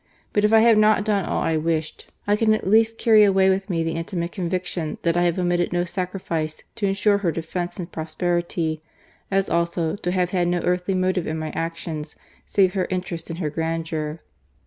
But if I have not done all I wished, I can at least carry away with me the intimate conviction that I have omitted no sacrifice to ensure her defence and prosperity ; as also, to have had no I70 GARCIA MORENO. earthly motive in my actions save he^ interests imd her g^randeur."